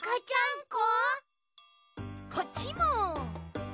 こっちも。